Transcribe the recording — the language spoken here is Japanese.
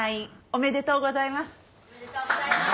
おめでとうございます。